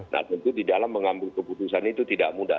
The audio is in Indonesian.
nah tentu di dalam mengambil keputusan itu tidak mudah